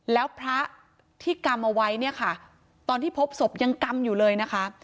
แล้วพระที่กำเอาไว้เนี่ยค่ะตอนที่พบศพยังกำอยู่เลยนะคะ